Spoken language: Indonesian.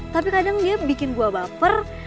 tapi kadang dia bikin buah baper